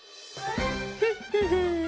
フッフフン！